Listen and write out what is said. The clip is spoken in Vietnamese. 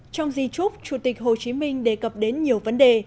trong di trúc chủ tịch hồ chí minh đề cập đến nhiều vấn đề